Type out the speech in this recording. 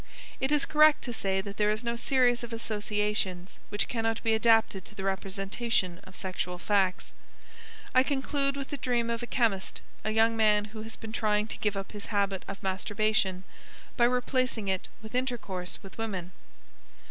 It is correct to say that there is no series of associations which cannot be adapted to the representation of sexual facts. I conclude with the dream of a chemist, a young man, who has been trying to give up his habit of masturbation by replacing it with intercourse with women.